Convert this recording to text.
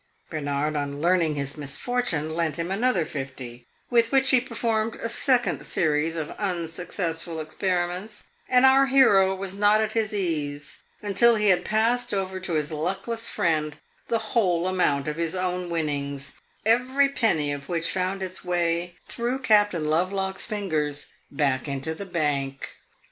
Bernard, on learning his misfortune, lent him another fifty, with which he performed a second series of unsuccessful experiments; and our hero was not at his ease until he had passed over to his luckless friend the whole amount of his own winnings, every penny of which found its way through Captain Lovelock's fingers back into the bank.